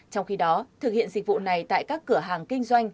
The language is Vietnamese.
trong khi đó thực hiện dịch vụ này tại các cửa hàng kinh doanh